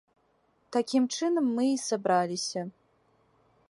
Такім чынам мы і сабраліся.